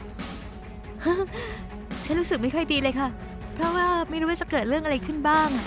ฉันรู้ว่ามักเดียวไม่ใช่ความดีเลยครับเพราะไม่รู้จะเกิดอะไรขึ้นบ้าง